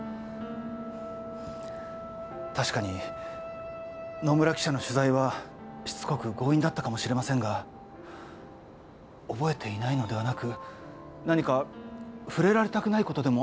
確かに野村記者の取材はしつこく強引だったかもしれませんが覚えていないのではなく何か触れられたくないことでもあったんじゃないでしょうか？